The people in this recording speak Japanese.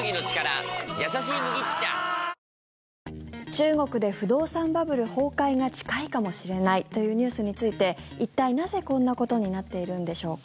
中国で不動産バブル崩壊が近いかもしれないというニュースについて一体、なぜこんなことになっているんでしょうか。